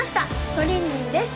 トリンリンです